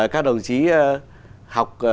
các đồng chí học